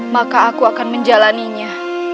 maka aku akan menjalaninya